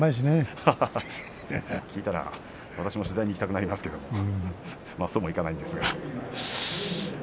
聞いたら私も取材に行きたくなりますが、そうもいかないんですが。